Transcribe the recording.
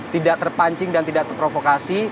tidak terpancing dan tidak terprovokasi